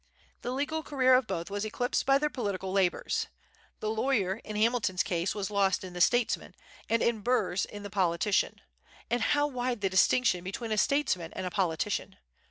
The legal career of both was eclipsed by their political labors. The lawyer, in Hamilton's case, was lost in the statesman, and in Burr's in the politician. And how wide the distinction between a statesman and a politician!